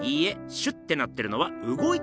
シュッてなってるのはうごいてるからなんです。